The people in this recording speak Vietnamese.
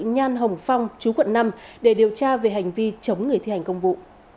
nhan hồng phong chú quận năm để điều tra về hành vi chống người thi hành công vụ